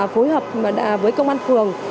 phối hợp với công an phường